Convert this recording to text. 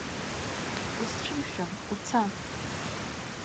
Усцәымшәан, уца.